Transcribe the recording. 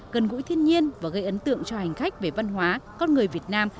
gần gũi thiên nhiên và gây ấn tượng cho hành khách về văn hóa con người việt nam